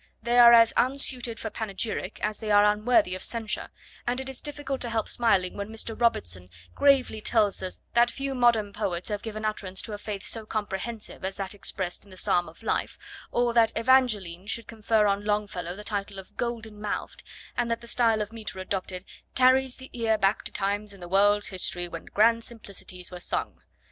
They are as unsuited for panegyric as they are unworthy of censure, and it is difficult to help smiling when Mr. Robertson gravely tells us that few modern poets have given utterance to a faith so comprehensive as that expressed in the Psalm of Life, or that Evangeline should confer on Longfellow the title of 'Golden mouthed,' and that the style of metre adopted 'carries the ear back to times in the world's history when grand simplicities were sung.'